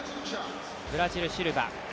ブラジル、シルバ。